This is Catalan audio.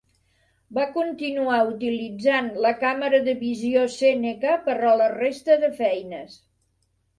Va continuar utilitzant la càmera de visió Seneca per a la resta de feines.